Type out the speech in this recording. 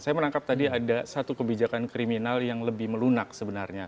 saya menangkap tadi ada satu kebijakan kriminal yang lebih melunak sebenarnya